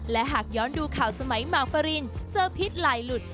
และหากย้อนดูข่าวสมัยมากฟารินเจอพิษไหลหลุด